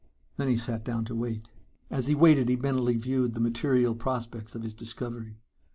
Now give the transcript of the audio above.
Then he sat down to wait. As he waited he mentally viewed the material prospects of his discovery.